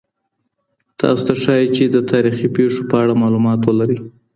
تاسو ته ښایي چي د تاریخي پېښو په اړه معلومات ولرئ.